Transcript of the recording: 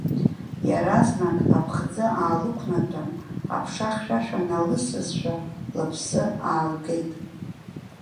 Иаразнак аԥхӡы аалықәнаҭәан, аԥша хьшәашәа налысызшәа, лыԥсы аалгеит.